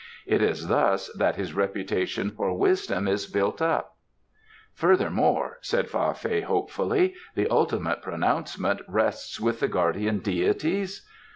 It is thus that his reputation for wisdom is built up." "Furthermore," said Fa Fei hopefully, "the ultimate pronouncement rests with the guarding deities?"